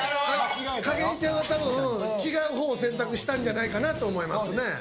景井ちゃんはたぶん、違うほうを選択したんじゃないかなと思いますね。